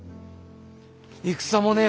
戦もねえ